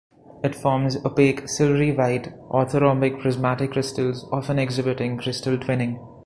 It forms opaque silvery white orthorhombic prismatic crystals often exhibiting crystal twinning.